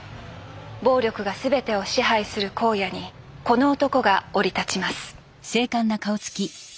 暴力が全てを支配する荒野にこの男が降り立ちます。